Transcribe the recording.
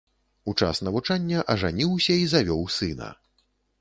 У час навучання ажаніўся і завёў сына.